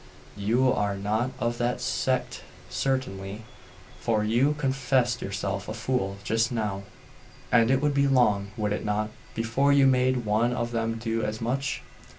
You are not of that sect certainly, for you confessed yourself a fool just now.' 'And it would be long, would it not, before you made one of them do as much?